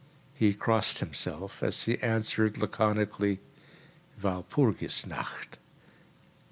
He crossed himself, as he answered laconically: "Walpurgis nacht."